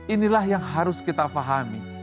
inilah yang harus kita pahami